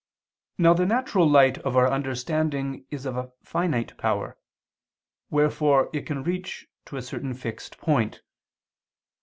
Now the natural light of our understanding is of finite power; wherefore it can reach to a certain fixed point.